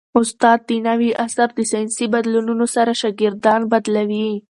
استاد د نوي عصر د ساینسي بدلونونو سره شاګردان بلدوي.